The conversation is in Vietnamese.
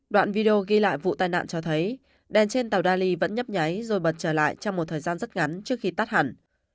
đoạn video ghi lại vụ tai nạn cho thấy đèn trên tàu dali vẫn nhấp nháy rồi bật trở lại trong một thời gian rất ngắn trước khi tắt hẳn